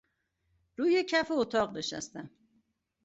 روی کف اتاق نشستم.